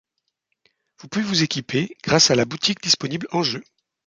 Vous pouvez vous équiper grâce à la boutique disponible en jeu.